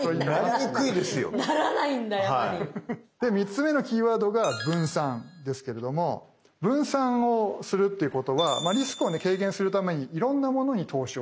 で３つ目のキーワードが分散ですけれども分散をするっていうことはリスクを軽減するためにいろんなものに投資をしていくという考え方です。